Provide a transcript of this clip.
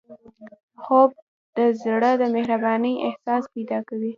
خوب د زړه د مهربانۍ احساس پیدا کوي